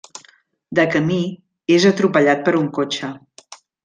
De camí, és atropellat per un cotxe.